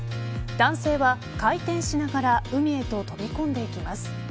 男性は回転しながら海へと飛び込んでいきます。